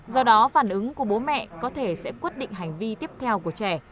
do đó phản ứng của bố mẹ có thể sẽ quyết định hành vi tiếp theo của trẻ